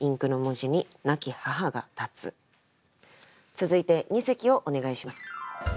続いて二席をお願いします。